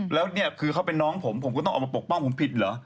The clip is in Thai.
แล้วเนี่ยคือเขาเป็นน้องผมผมก็ต้องออกมาปกป้องผมผิดเหรอ